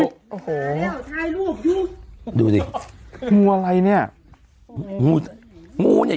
โอ้โฮโทรมาแล้วท้ายลูกเดี๋ยวดูสิงูอะไรเนี่ยงูงูเนี่ย